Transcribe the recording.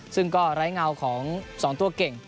ซึ่งก็ไร้เงาของ๒ตัวเก่ง